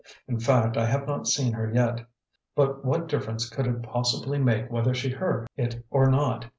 In fact, I have not seen her yet. But what difference could it possibly make whether she heard it or not?